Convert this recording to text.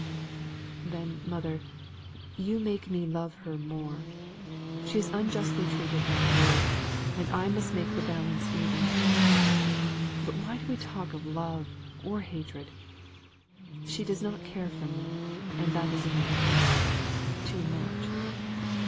"Then, mother, you make me love her more. She is unjustly treated by you, and I must make the balance even. But why do we talk of love or hatred? She does not care for me, and that is enough, too much.